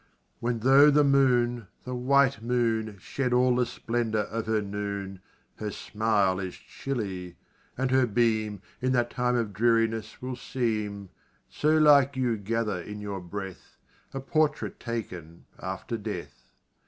What tho' the moon the white moon Shed all the splendour of her noon, Her smile is chilly, and her beam, In that time of dreariness, will seem (So like you gather in your breath) A portrait taken after death.